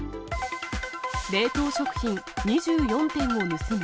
冷凍食品２４点を盗む。